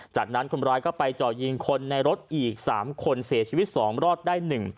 จากนั้นคนร้ายก็ไปจ่อยิงคนในรถอีก๓คนเสียชีวิต๒รอดได้๑